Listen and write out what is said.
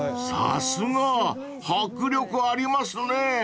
［さすが！迫力ありますね］